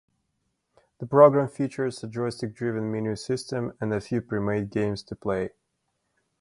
The program features a joystick-driven menu system and a few pre-made games to play.